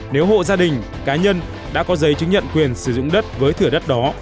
nếu hộ gia đình cá nhân đã có giấy chứng nhận quyền sử dụng đất với thửa đất đó